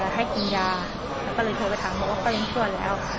ให้กินยาแล้วก็เลยโทรไปถามบอกว่าก็ยังช่วยแล้ว